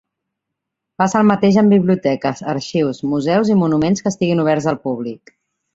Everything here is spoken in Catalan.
Passa el mateix amb biblioteques, arxius, museus i monuments que estiguin oberts al públic.